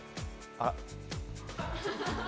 あっ。